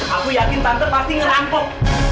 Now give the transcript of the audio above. aku yakin tante pasti ngerangkok